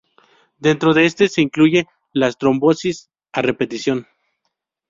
Dentro de este se incluye las trombosis a repetición.